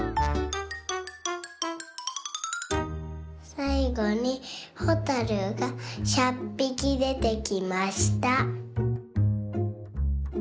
さいごにほたるが１００ぴきでてきました。